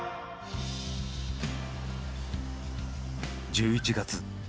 １１月。